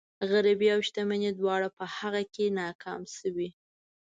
غريبي او شتمني دواړه په هغه کې ناکامې شوي.